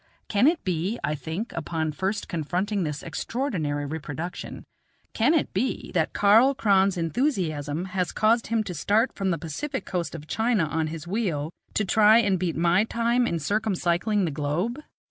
Can it be I think, upon first confronting this extraordinary reproduction can it be, that Karl Kron's enthusiasm has caused him to start from the Pacific coast of China on his wheel to try and beat my time in circumcycling the globe?